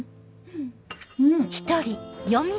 うん！